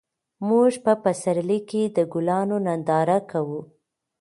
موږ په پسرلي کې د ګلانو ننداره کوو.